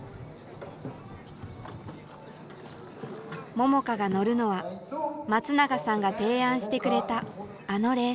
桃佳が乗るのは松永さんが提案してくれたあのレーサー。